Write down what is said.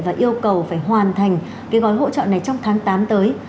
và yêu cầu phải hoàn thành cái gói hỗ trợ này trong tháng tám tới